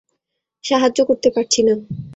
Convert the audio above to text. সাহায্য করতে পারছি না।